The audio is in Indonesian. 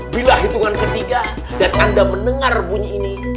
bila hitungan ketiga dan anda mendengar bunyi ini